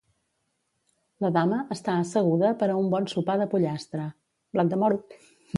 La dama està asseguda per a un bon sopar de pollastre.